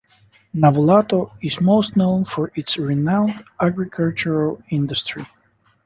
Navolato is most known for its renowned agricultural industry.